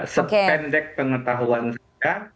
sependek pengetahuan saya